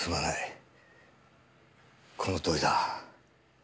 このとおりだ。